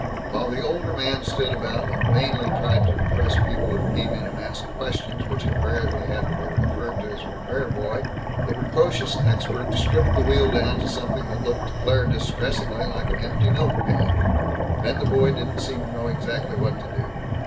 While the older man stood about and vainly tried to impress people who came in and asked questions which invariably had to be referred to his repair boy, the precocious expert stripped the wheel down to something that looked to Claire distressingly like an empty milk pan. Then the boy didn't seem to know exactly what to do.